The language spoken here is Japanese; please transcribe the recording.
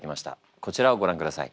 こちらをご覧ください。